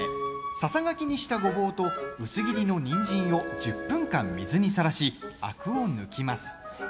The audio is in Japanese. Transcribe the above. ささがきにしたごぼうと薄切りのにんじんを１０分間水にさらしアクを抜きます。